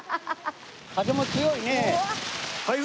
風も強いね。